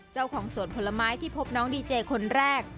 เจ้าของสวนผลไม้ที่พบน้องดีเจคนแรก